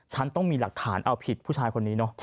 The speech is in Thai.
ฉันต้องมีหลักฐานเอาผิดผู้ชายคนนี้เนอะ